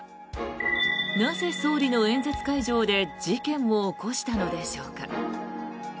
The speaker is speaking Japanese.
なぜ、総理の演説会場で事件を起こしたのでしょうか。